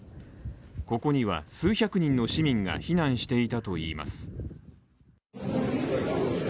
ここには数百人の市民が避難していたといいます。